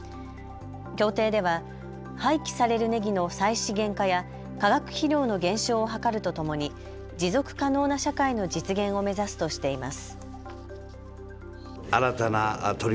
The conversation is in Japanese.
協定では廃棄されるねぎの再資源化や化学肥料の減少を図るとともに持続可能な社会の実現を目指すとしています。